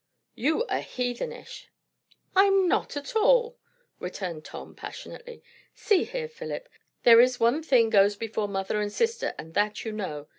"You are heathenish!" "I'm not, at all!" returned Tom passionately. "See here, Philip. There is one thing goes before mother and sister; and that you know.